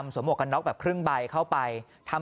ใช่ไหม